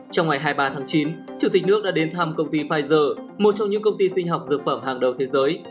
trong ngày hai mươi ba tháng chín chủ tịch nước đã đến thăm công ty pfizer một trong những công ty sinh học dược phẩm hàng đầu thế giới